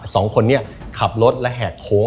สองคนนี้ขับรถและแหกโค้ง